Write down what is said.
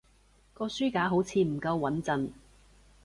個書架好似唔夠穏陣